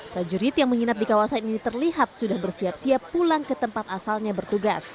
prajurit yang menginap di kawasan ini terlihat sudah bersiap siap pulang ke tempat asalnya bertugas